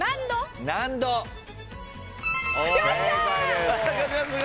よっしゃー！